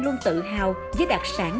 luôn tự hào với đặc sản